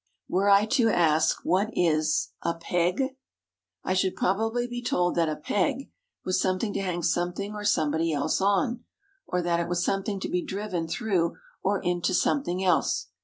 Were I to ask What is A Peg? I should probably be told that a peg was something to hang something or somebody else on, or that it was something to be driven through or into something else.